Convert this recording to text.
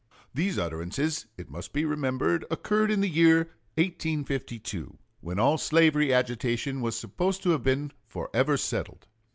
These utterances, it must be remembered, occurred in the year 1852, when all slavery agitation was supposed to have been forever settled.